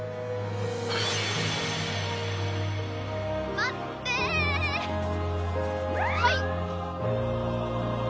待って！はいっ！